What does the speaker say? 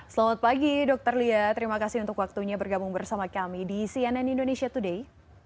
selamat pagi dr lia terima kasih untuk waktunya bergabung bersama kami di cnn indonesia today